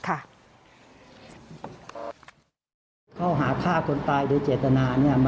ข้อหาฆ่าคนตายโดยเจตนา